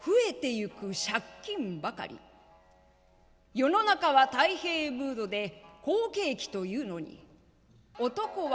世の中は太平ムードで好景気というのに男は例外。